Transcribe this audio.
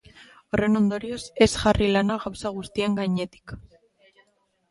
Horren ondorioz, ez jarri lana gauza guztien gainetik.